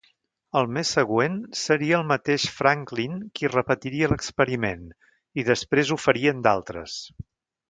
El mes següent seria el mateix Franklin qui repetiria l'experiment i després ho farien d'altres.